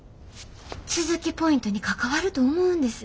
都築ポイントに関わると思うんです。